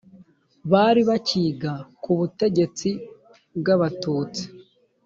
bari bakiga ku butegetsi bw abatutsi